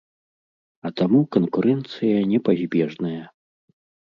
А таму канкурэнцыя непазбежная.